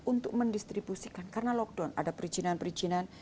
untuk mendistribusikan karena lockdown ada perizinan perizinan